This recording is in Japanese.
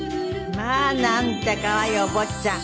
まあなんて可愛いお坊ちゃん。